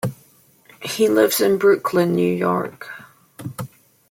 He lives in Brooklyn, New York.